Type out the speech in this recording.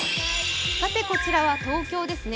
こちらは東京ですね。